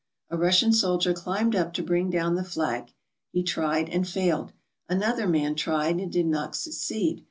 A Russian soldier climbed up to bring down the flag. He tried and failed. Another man tried and did not succeed.